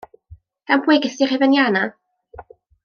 Gan pwy gest ti'r hufen ia 'na?